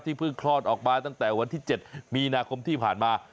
เพิ่งคลอดออกมาตั้งแต่วันที่๗มีนาคมที่ผ่านมา